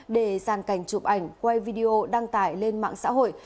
để giàn cảnh chụp ảnh quay video đăng tải lên mạng xã hội